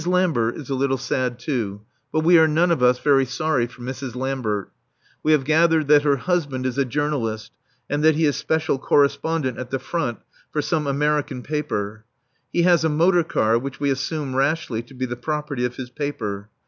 Lambert is a little sad, too. But we are none of us very sorry for Mrs. Lambert. We have gathered that her husband is a journalist, and that he is special correspondent at the front for some American paper. He has a motor car which we assume rashly to be the property of his paper.